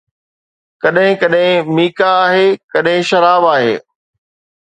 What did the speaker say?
ڪڏھن ڪڏھن ميڪا آھي، ڪڏھن شراب آھي